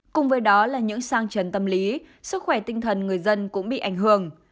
cùng với đó là những sang trần tâm lý sức khỏe tinh thần người dân cũng bị ảnh hưởng